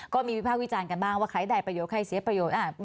วิภาควิจารณ์กันบ้างว่าใครได้ประโยชน์ใครเสียประโยชน์